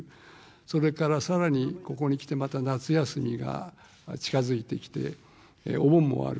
それからさらに、ここにきてまた夏休みが近づいてきて、お盆もある。